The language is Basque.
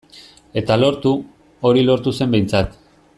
Eta lortu, hori lortu zen behintzat.